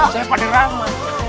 saya pak d rama